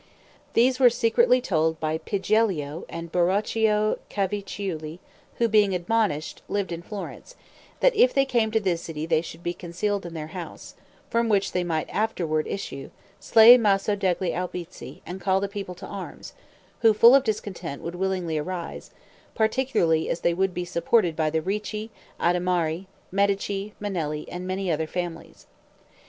These were secretly told by Piggiello and Baroccio Cavicciulli, who, being admonished, lived in Florence, that if they came to the city they should be concealed in their house; from which they might afterward issue, slay Maso degli Albizzi, and call the people to arms, who, full of discontent, would willingly arise, particularly as they would be supported by the Ricci, Adimari, Medici, Manelli, and many other families.